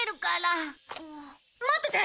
待ってて！